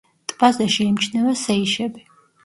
ტბაზე შეიმჩნევა სეიშები.